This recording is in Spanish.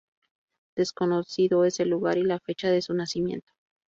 Desconocido es el lugar y la fecha de su nacimiento.